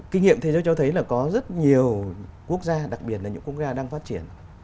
kinh nghiệm thế giới cho thấy là có rất nhiều quốc gia đặc biệt là những quốc gia đang phát triển